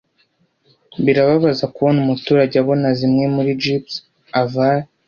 Birababaza kubona umuturage abona zimwe muri Jeeps Aval